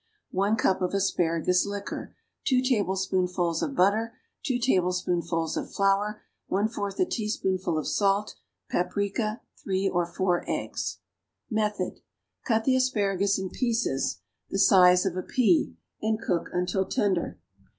1 cup of asparagus liquor. 2 tablespoonfuls of butter. 2 tablespoonfuls of flour. 1/4 a teaspoonful of salt. Paprica. 3 or 4 eggs. Method. Cut the asparagus in pieces of the size of a pea and cook until tender.